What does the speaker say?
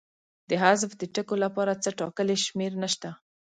د حذف د ټکو لپاره څه ټاکلې شمېر نشته.